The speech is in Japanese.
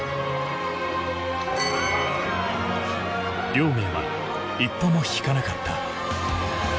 亮明は一歩もひかなかった。